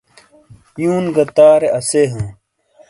یون گہ تارے اسے ہاں